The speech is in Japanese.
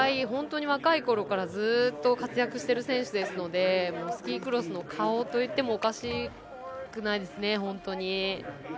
若いころからずっと活躍している選手ですのでスキークロスの顔と言ってもおかしくないですね。